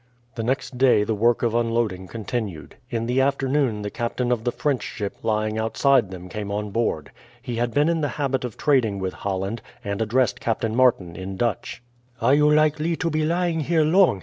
The next day the work of unloading continued. In the afternoon the captain of the French ship lying outside them came on board. He had been in the habit of trading with Holland, and addressed Captain Martin in Dutch. "Are you likely to be lying here long?"